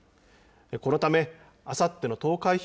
このためあさっての投開票